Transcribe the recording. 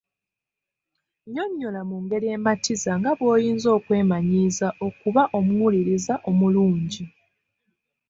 Nnyonnyola mu ngeri ematiza nga bw’oyinza okwemanyiiza okuba omuwuliriza omulungi.